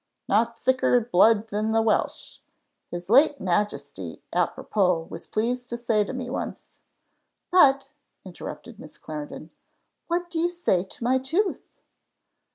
not thicker blood than the Welsh. His late Majesty, à propos, was pleased to say to me once " "But," interrupted Miss Clarendon, "what do you say to my tooth?"